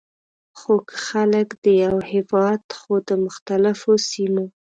خو که خلک د یوه هیواد خو د مختلفو سیمو،